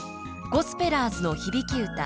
「ゴスペラーズの響歌